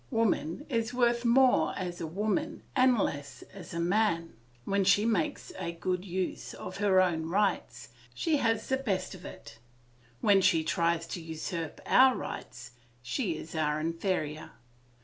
Woman is worth more as a woman and less as a man; when she makes a good use of her own rights, she has the best of it; when she tries to usurp our rights, she is our inferior.